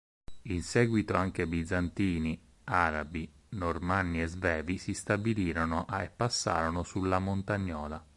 In seguito anche Bizantini, Arabi, Normanni e Svevi si stabilirono e passarono sulla Montagnola.